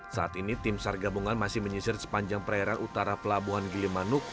saat ini tim sar gabungan masih menyisir sepanjang perairan utara pelabuhan gilimanuk